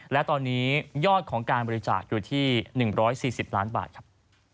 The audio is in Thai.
และตอนนี้ยอดของการบริจาคอยู่ที่๑๔๐ล้านบาทครับ